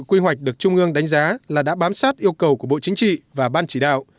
quy hoạch được trung ương đánh giá là đã bám sát yêu cầu của bộ chính trị và ban chỉ đạo